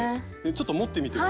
ちょっと持ってみて。